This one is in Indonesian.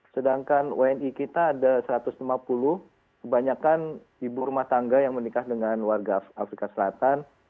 sedangkan wni kita ada satu ratus lima puluh kebanyakan ibu rumah tangga yang menikah dengan warga afrika selatan